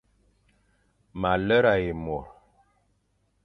Ma lera ye mor.